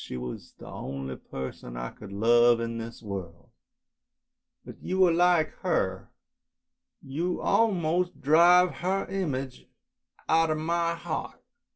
She was the only person I could love in this world, but you are like her, you almost drive her image out of my heart.